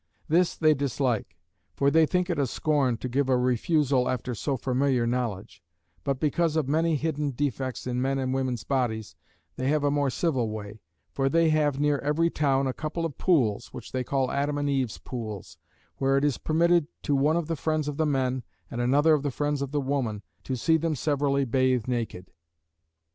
This they dislike; for they think it a scorn to give a refusal after so familiar knowledge: but because of many hidden defects in men and women's bodies, they have a more civil way; for they have near every town a couple of pools, (which they call Adam and Eve's pools,) where it is permitted to one of the friends of the men, and another of the friends of the woman, to see them severally bathe naked."